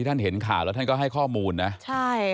ท่านเห็นข่าวและท่านก็ข้อมูลนะ